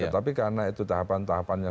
tapi karena itu tahapan tahapannya